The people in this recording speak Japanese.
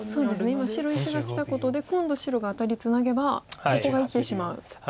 今白石がきたことで今度白がアタリツナげばそこが生きてしまう。